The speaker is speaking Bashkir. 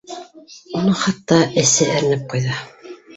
Уның хатта эсе әрнеп ҡуйҙы.